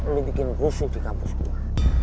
lo bikin rusuk di kampus gue